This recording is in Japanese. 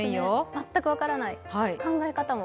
全く分からない、考え方も。